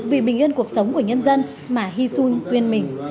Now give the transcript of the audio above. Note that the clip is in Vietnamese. vì bình yên cuộc sống của nhân dân mà hy sinh quên mình